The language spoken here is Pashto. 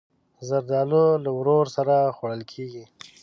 زردالو له ورور سره خوړل کېږي.